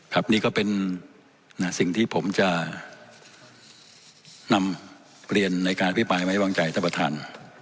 ครับนี่ก็เป็นสิ่งที่ผมจะนำเรียนในการอภิปรายไว้วางใจท่านประธาน